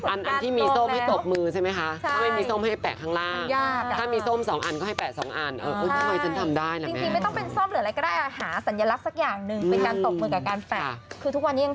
อันที่มีส้มให้ตบมือใช่ไหมคะถ้าไม่มีส้มให้แปะข้างล่าง